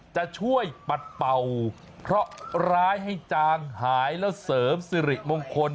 จะช่วยปัดเป่าเคราะห์ร้ายให้จางหายแล้วเสริมสิริมงคล